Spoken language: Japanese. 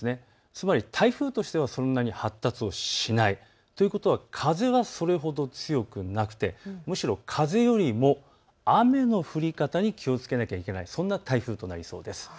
つまり台風としてはそんなに発達をしないということは風はそれほど強くなくて、むしろ風よりも雨の降り方に気をつけなければならない、そんな台風となりそうです。